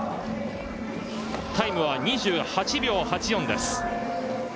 タイムは２８秒８４です。